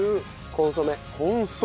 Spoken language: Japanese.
コンソメ。